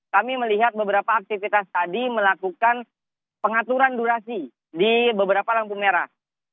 kami melihat beberapa aktivitas tadi melakukan pengaturan durasi di beberapa lampu merah